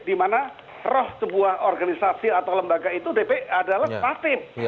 dimana roh sebuah organisasi atau lembaga itu dp adalah patim